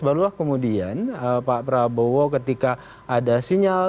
barulah kemudian pak prabowo ketika ada sinyal